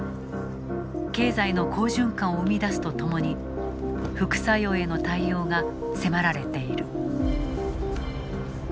経済の好循環を生み出すとともに副作用への対応が迫られている。